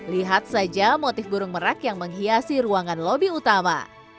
lihat saja motif burung merak yang menghiasi ruangan lobby utama